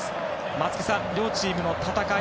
松木さん、両チームの戦い